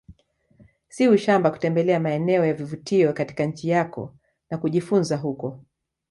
Si ushamba kutembelea maeneo ya vivutio katika nchi yako na kujifunza huko